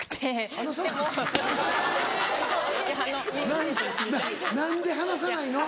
何で何で話さないの？